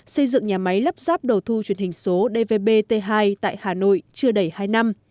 xây dựng nhà máy lắp ráp đầu thu truyền hình số dvb t hai tại hà nội chưa đẩy hai năm